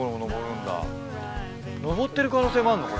登ってる可能性もあんの？